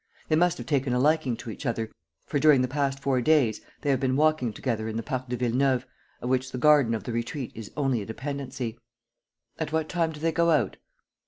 They must have taken a liking to each other, for, during the past four days, they have been walking together in the Parc de Villeneuve, of which the garden of the Retreat is only a dependency." "At what time do they go out?"